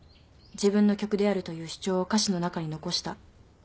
自分の曲であるという主張を歌詞の中に残した。